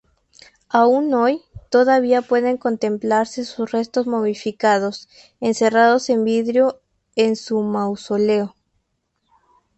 Aún hoy, todavía pueden contemplarse sus restos momificados, encerrados en vidrio, en su mausoleo.